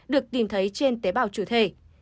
được tìm thấy trên tế bào trừ thể